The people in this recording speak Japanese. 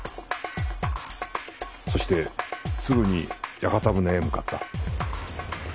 そしてすぐに屋形船へ向かった。